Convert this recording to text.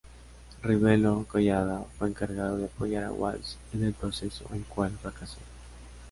Rivero Collada fue encargado de apoyar a Walls en el proceso, el cual fracasó.